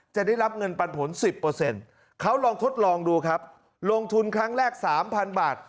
จะได้รับเงินปันผล๑๐เขาลองทดลองดูครับลงทุนครั้งแรก๓๐๐๐บาท